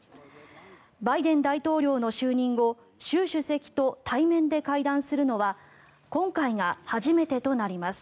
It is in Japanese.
バイデン大統領の就任後習主席と対面で会談するのは今回が初めてとなります。